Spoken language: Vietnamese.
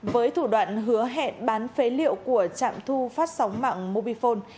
với thủ đoạn hứa hẹn bán phế liệu của trạm thu phát sóng mạng mobifone